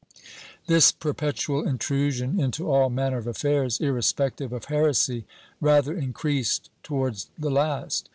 This perpetual intrusion into all manner of affairs, irrespective of heresy rather increased toAvards the last.